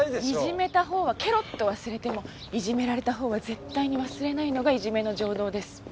いじめたほうはケロッと忘れてもいじめられたほうは絶対に忘れないのがいじめの常道です。